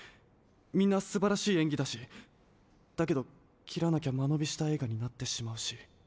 みんなすばらしいえんぎだしだけどきらなきゃまのびしたえいがになってしまうし。